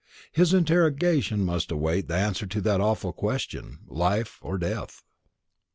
His interrogation must await the answer to that awful question life or death.